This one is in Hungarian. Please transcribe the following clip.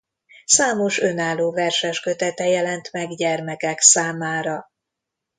Számos önálló verseskötete jelent meg gyermekek számára.